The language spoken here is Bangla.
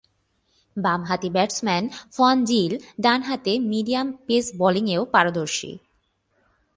বামহাতি ব্যাটসম্যান ফন জিল ডানহাতে মিডিয়াম পেস বোলিংয়েও পারদর্শী।